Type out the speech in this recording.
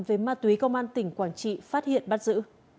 về ma túy công an tp hcm phát hiện bắt giữ